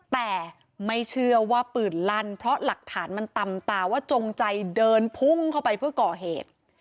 แต่ไม่เชื่อว่าปืนลั่นเพราะหลักฐานมันตำตาว่าจงใจเดินพุ่งเข้าไปเพื่อก่อเหตุ